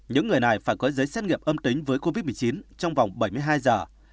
những người này phải có giấy xét nghiệm âm tính với covid một mươi chín trong vòng bảy mươi hai giờ